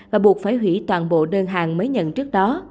và buộc phải hủy toàn bộ đơn hàng mới nhận trước đó